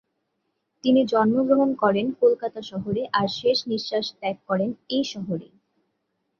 তিনি জন্মগ্রহণ করেন কলকাতা শহরে আর শেষনিশ্বাস ত্যাগ করেন এই শহরেই।